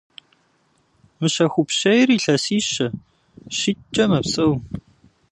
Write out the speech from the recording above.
Мыщэхупщейр илъэсищэ – щитӏкӏэ мэпсэу.